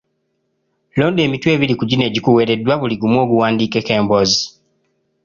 Londa emitwe ebiri ku gino egikuweereddwa buli gumu oguwandiikeko emboozi